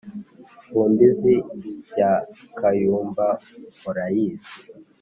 ku mbizi ya kayumba murayizi